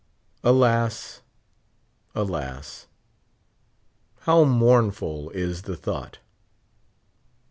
Alas ! alas ! how mournful is the thought